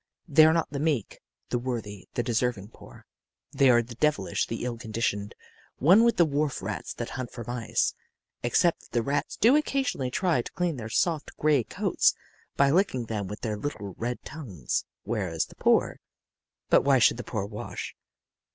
They are not the meek, the worthy, the deserving poor. They are the devilish, the ill conditioned one with the wharf rats that hunt for mice. Except that the rats do occasionally try to clean their soft, gray coats by licking them with their little red tongues; whereas, the poor But why should the poor wash?